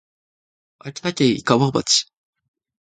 秋田県井川町